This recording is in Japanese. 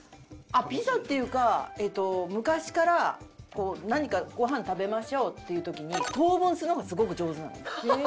ピザっていうかえっと昔から何かご飯食べましょうっていう時に等分するのがすごく上手なのよ。